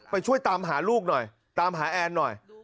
ช่วยตามหาลูกหน่อยตามหาแอนหน่อย